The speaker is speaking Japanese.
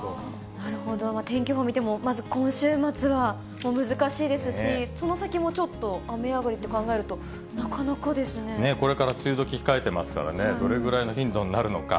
なるほど、天気予報を見ても、まず今週末は難しいですし、その先もちょっと、雨上がりと考これから梅雨どき控えてますからね、どれぐらいの頻度になるのか。